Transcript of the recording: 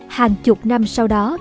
hàng chục năm sau đó